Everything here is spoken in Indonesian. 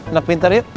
anak pintar yuk